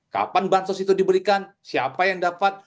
kapan bansos itu diberikan siapa yang dapat